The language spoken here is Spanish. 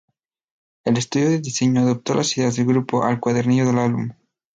El estudio de diseño adaptó las ideas del grupo al cuadernillo del álbum.